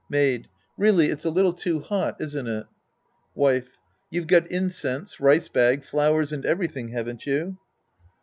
Maid. Really it's a little too hot, isn't it ? Wife. You've got incense, rice bag, flowers and everything, haven't you